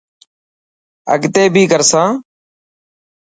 اگتي بي ڪرسان.